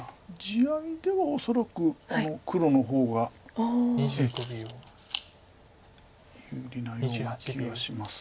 地合いでは恐らく黒の方が有利なような気がします。